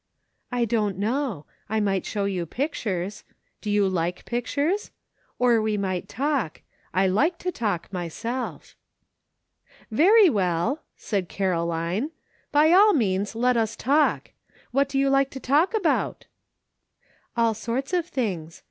I don't know. I might show you pictures. Do you like pictures ? Or we might talk ; I like to talk, myself." "Veiy well," said Caroline, "by all means let us talk. What do you like to talk about?" "All sorts of things.